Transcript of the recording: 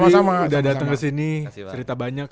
sudah datang ke sini cerita banyak